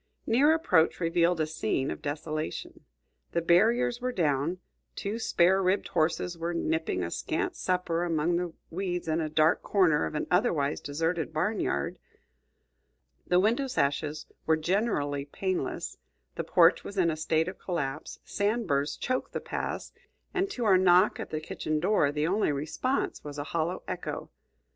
Near approach revealed a scene of desolation. The barriers were down, two spare ribbed horses were nipping a scant supper among the weeds in a dark corner of an otherwise deserted barn yard, the window sashes were generally paneless, the porch was in a state of collapse, sand burrs choked the paths, and to our knock at the kitchen door the only response was a hollow echo.